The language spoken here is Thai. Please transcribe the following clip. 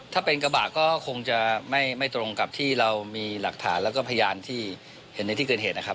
ถ้าเป็นกระบะก็คงจะไม่ตรงกับที่เรามีหลักฐานแล้วก็พยานที่เห็นในที่เกิดเหตุนะครับ